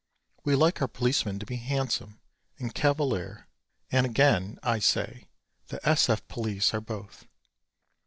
We like our policemen to be handsome and cavalier and, again I say, the S. F. police are both.